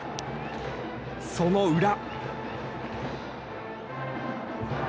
その裏。